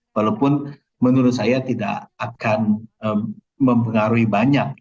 walaupun menurut saya tidak akan mempengaruhi banyak